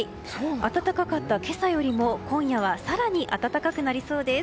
暖かかった今朝よりも今夜は更に暖かくなりそうです。